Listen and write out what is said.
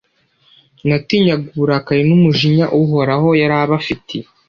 natinyaga uburakari n’umujinya uhoraho yari abafitiye,